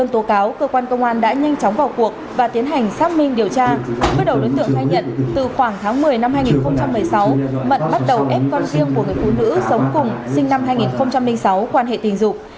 từ khoảng tháng một mươi năm hai nghìn một mươi sáu mận bắt đầu ép con riêng của người phụ nữ sống cùng sinh năm hai nghìn sáu quan hệ tình dục